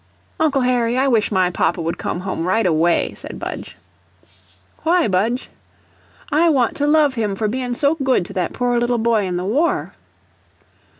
"Uncle Harry, I wish my papa would come home right away," said Budge. "Why, Budge?" "I want to love him for bein' so good to that poor little boy in the war."